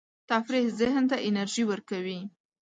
تفریح ذهن ته انرژي ورکوي.